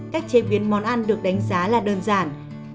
cách chế biến món ăn được đánh giá là đơn giản